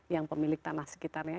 yang pemilik tanah sekitarnya